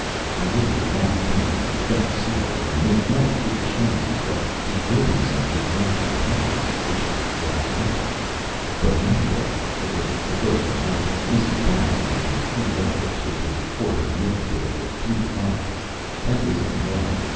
I waited a long time, and got slower, and made more foolish noises; but he wouldn't, send me back to the Home, which was what I wanted. But one day, it was the first of the month, Mrs. Brown gave me three dollars, which was for her milk bill with Peter Bopp. That was in the morning.